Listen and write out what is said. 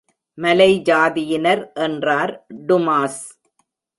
மலை ஜாதியினர் என்றார் டுமாஸ்.